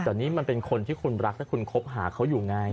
แต่นี่มันเป็นคนที่คุณรักถ้าคุณคบหาเขาอยู่ไง